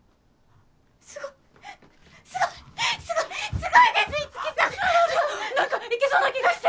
違うなんかいけそうな気がして！